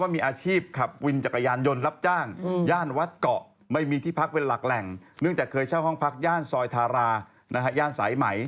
นี่นะครับสภาพเขาเลยเป็นคนนี้นะฮะ